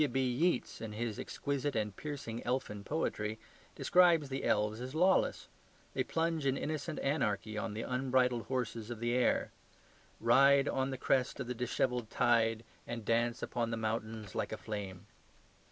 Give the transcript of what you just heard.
W.B.Yeats, in his exquisite and piercing elfin poetry, describes the elves as lawless; they plunge in innocent anarchy on the unbridled horses of the air "Ride on the crest of the dishevelled tide, And dance upon the mountains like a flame."